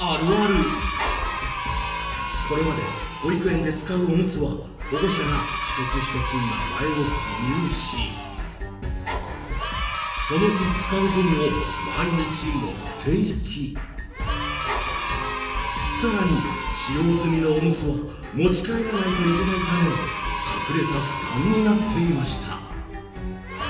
これまで保育園で使うおむつは保護者が一つ一つ名前を記入しその日使う分を毎日持っていき更に使用済みのおむつは持ち帰らないといけないため隠れた負担になっていました。